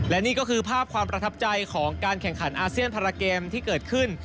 และนี่ก็คือภาพความประทับใจของการแข่งขันอาเซียนพาราเกมที่เกิดขึ้น